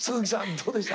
どうでした？